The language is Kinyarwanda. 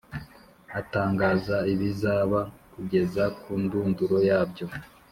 atangaza ibizaba kugeza ku ndunduro yabyo,